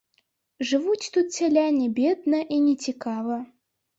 Жывуць тут сяляне бедна і нецікава.